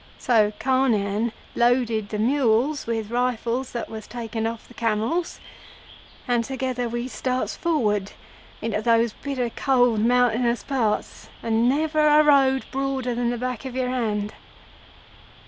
So Carnehan loaded the mules with the rifles that was taken off the camels, and together we starts forward into those bitter cold mountainous parts, and never a road broader than the back of your hand."